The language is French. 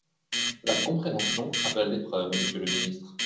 La « compréhension » appelle des preuves, monsieur le ministre.